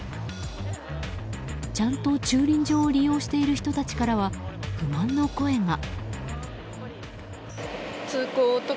ちゃんと駐輪場を利用している人たちからは不満の声が。